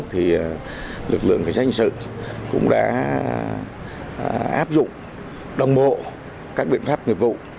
thì lực lượng cảnh sát hình sự cũng đã áp dụng đồng bộ các biện pháp nghiệp vụ